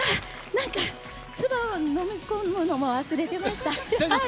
なんか、つばを飲み込むのも忘れていました。